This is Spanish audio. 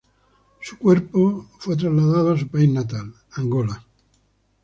Su cuerpo fue trasladado a su país natal, Angola.